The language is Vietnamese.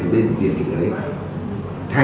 bên viên hình ấy